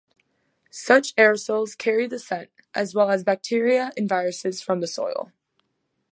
Such aerosols carry the scent, as well as bacteria and viruses from the soil.